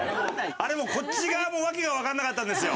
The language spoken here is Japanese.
あれもうこっち側もわけがわかんなかったんですよ。